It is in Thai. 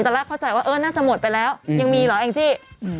ตอนแรกเข้าใจว่าเออน่าจะหมดไปแล้วยังมีเหรอแองจี้